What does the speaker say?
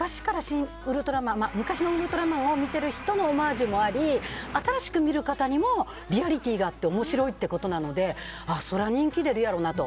昔の「ウルトラマン」を見てる人も、オマージュもあり新しく見る方にもリアリティーがあって面白いってことなのでそりゃあ人気出るやろなと。